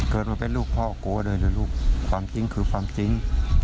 เกิดมาเป็นลูกพ่อกลัวได้เลยลูกความจริงคือความจริง